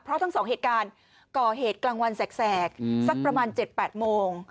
เพราะทั้งสองเหตุการณ์ก่อเหตุกลางวันแสกสักประมาณ๗๘โมง